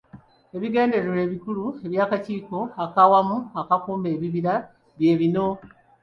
Ebigendererwa ebikulu eby'Akakiiko ak'Awamu Akakuuma Ebibira bye bino.